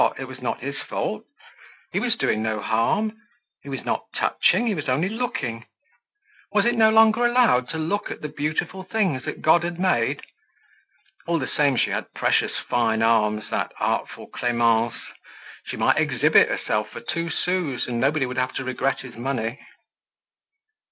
What? It was not his fault. He was doing no harm. He was not touching, he was only looking. Was it no longer allowed to look at the beautiful things that God had made? All the same, she had precious fine arms, that artful Clemence! She might exhibit herself for two sous and nobody would have to regret his money.